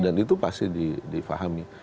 dan itu pasti di fahami